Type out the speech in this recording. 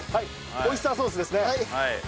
オイスターソースですね。